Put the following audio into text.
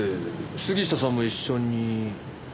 杉下さんも一緒に。